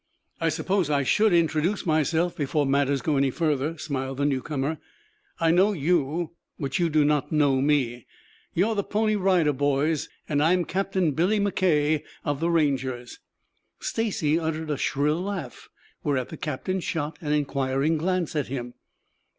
"I suppose I should introduce myself before matters go any further," smiled the newcomer. "I know you, but you do not know me. You are the Pony Rider Boys. I am Captain Billy McKay of the Rangers." Stacy uttered a shrill laugh, whereat the captain shot an inquiring glance at him.